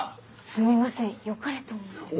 すみません良かれと思って。